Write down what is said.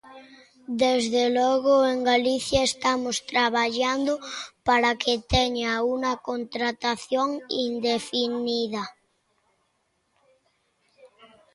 Desde logo, en Galicia estamos traballando para que teña unha contratación indefinida.